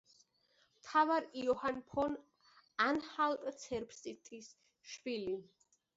მთავარ იოჰან ფონ ანჰალტ-ცერბსტის შვილი.